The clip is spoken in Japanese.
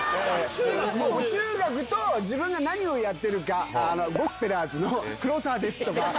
中学と自分が何をやってるか、ゴスペラーズの黒沢ですとか。